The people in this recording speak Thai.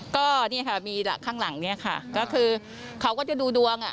ก็นี่ค่ะมีข้างหลังเนี่ยค่ะก็คือเขาก็จะดูดวง